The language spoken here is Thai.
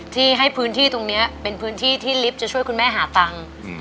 ที่ให้พื้นที่ตรงนี้เป็นพื้นที่ที่ลิฟต์จะช่วยคุณแม่หาตังค์